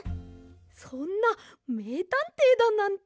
そんなめいたんていだなんて。